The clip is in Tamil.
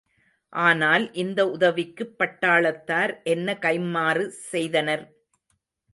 ஆனால் இந்த உதவிக்குப் பட்டாளத்தார் என்ன கைம்மாறு செய்தனர்?